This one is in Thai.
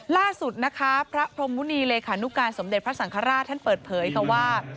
ล่าสุดนะคะพระพรมมุณีเลขานุการสมเด็จพระสังฆราชท่านเปิดเผยค่ะว่า